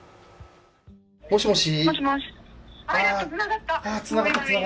もしもし。